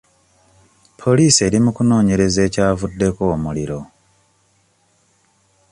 Poliisi eri mu kunoonyereza ekyavuddeko omuliro.